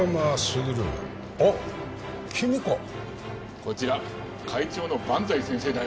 こちら会長の伴財先生だよ。